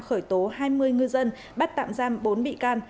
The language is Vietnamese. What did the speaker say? khởi tố hai mươi ngư dân bắt tạm giam bốn bị can